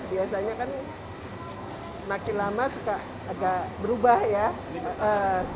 biasanya kan semakin lama suka agak berubah ya